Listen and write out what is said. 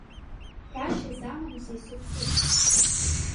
Ҳәашьа замамзеи сыгәҭыха?!